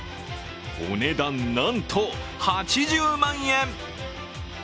お値段、なんと８０万円！